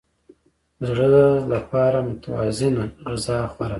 د زړه لپاره متوازنه غذا غوره ده.